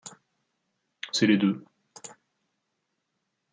C’est les deux.